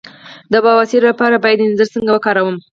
د بواسیر لپاره باید انځر څنګه وکاروم؟